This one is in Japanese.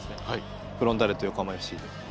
フロンターレと横浜ＦＣで。